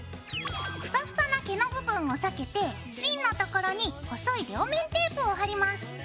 ふさふさな毛の部分を避けて芯の所に細い両面テープを貼ります。